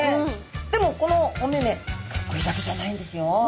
でもこのお目々かっこいいだけじゃないんですよ。